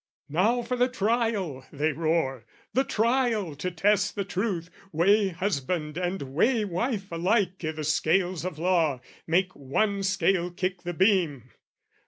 "Now for the Trial!" they roar: "the Trial to test "The truth, weigh husband and weigh wife alike "I' the scales of law, make one scale kick the beam!"